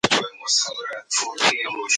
روغتیا ته پام نه کول خطرناک دی.